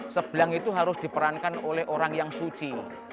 sebelang itu harus diperankan oleh orang yang suci